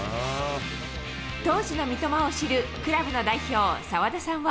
当時の三笘を知るクラブの代表、澤田さんは。